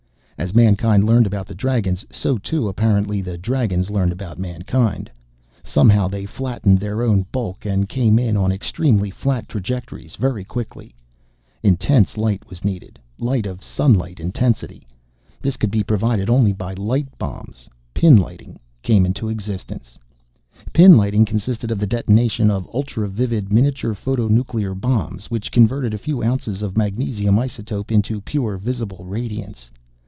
As mankind learned about the Dragons, so too, apparently, the Dragons learned about mankind. Somehow they flattened their own bulk and came in on extremely flat trajectories very quickly. Intense light was needed, light of sunlike intensity. This could be provided only by light bombs. Pinlighting came into existence. Pinlighting consisted of the detonation of ultra vivid miniature photonuclear bombs, which converted a few ounces of a magnesium isotope into pure visible radiance.